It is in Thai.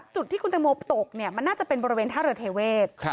จุดที่คุณตังโมตกเนี่ยมันน่าจะเป็นบริเวณท่าเรือเทเวศ